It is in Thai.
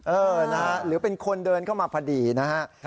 เออนะฮะหรือเป็นคนเดินเข้ามาพอดีนะฮะ